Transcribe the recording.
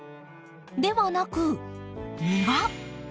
ではなく庭。